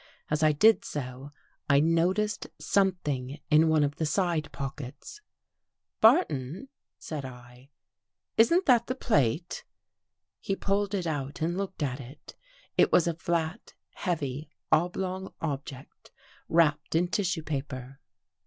As I did so, I noticed some thing in one of the side pockets. '' Barton," said I, " isn't that the plate? " He pulled it out and looked at it. It was a flat, heavy, oblong object wrapped in tissue paper.